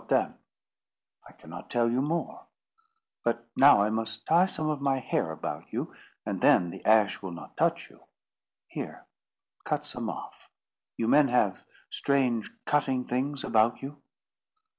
"What then?" "I cannot tell you more. But now I must tie some of my hair about you, and then the Ash will not touch you. Here, cut some off. You men have strange cutting things about you."